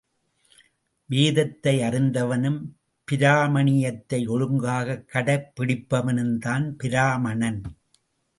வேதத்தை அறிந்தவனும் பிராமணியத்தை ஒழுங்காகக் கடைபிடிப்பவனும்தான் பிராமணன்.